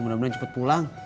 mudah mudahan cepet pulang